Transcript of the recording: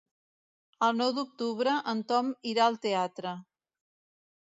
El nou d'octubre en Tom irà al teatre.